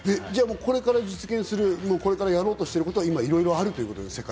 これから実現する、これからやろうとしてることは今いろいろあるということですか？